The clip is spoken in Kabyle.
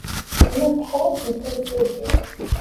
Llant ḥwajent imsujji.